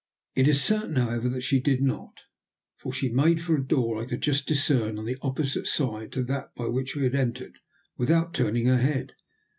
It is certain, however, that she did not, for she made for a door I could just discern on the opposite side to that by which we had entered, without turning her head.